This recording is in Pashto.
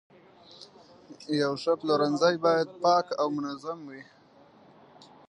یو ښه پلورنځی باید پاک او منظم وي.